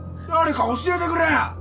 誰か教えてくれよ！